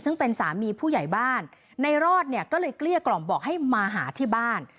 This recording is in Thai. ซึ่งเป็นสามีผู้ใหญ่บ้านในรอดเนี่ยก็เลยเกลี้ยกล่อมบอกให้มาหาที่บ้าน